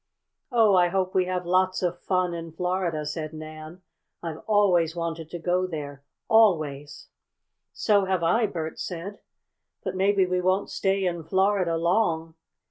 "Oh, I hope we have lots of fun in Florida!" said Nan. "I've always wanted to go there, always!" "So have I," Bert said. "But maybe we won't stay in Florida long."